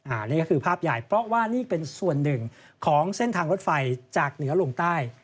อันนี้ก็คือภาพใหญ่เพราะว่านี่เป็นส่วนหนึ่งของเส้นทางรถไฟจากเหนือลงใต้